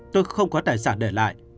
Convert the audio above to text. tôi không có tài sản để lại